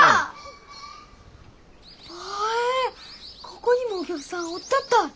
ここにもお客さんおったったい。